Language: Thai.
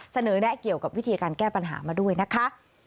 แนะเกี่ยวกับวิธีการแก้ปัญหามาด้วยนะคะ